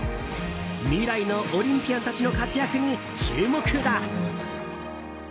未来のオリンピアンたちの活躍に注目だ。